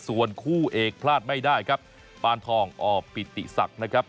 ส่วนคู่เอกพลาดไม่ได้ครับปานทองอ่อปิติศักดิ์นะครับ